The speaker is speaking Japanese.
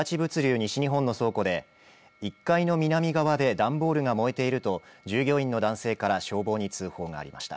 西日本の倉庫で１階の南側で段ボールが燃えていると従業員の男性から消防に通報がありました。